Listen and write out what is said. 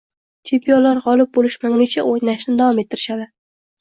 Chempionlar g’olib bo’lishmagunicha o’ynashni davom ettirishadi